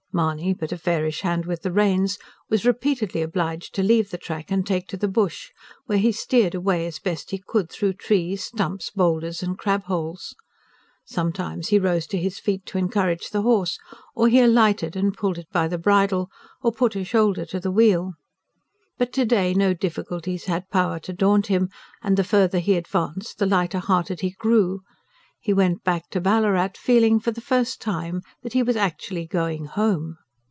Mahony, but a fairish hand with the reins, was repeatedly obliged to leave the track and take to the bush, where he steered a way as best he could through trees, stumps, boulders and crab holes. Sometimes he rose to his feet to encourage the horse; or he alighted and pulled it by the bridle; or put a shoulder to the wheel. But to day no difficulties had power to daunt him; and the farther he advanced the lighter hearted he grew: he went back to Ballarat feeling, for the first time, that he was actually going home.